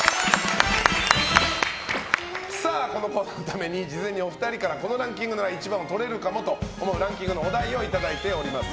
このコーナーのために事前にお二人からこのランキングなら１番をとれるかもと思うランキングのお題をいただいております。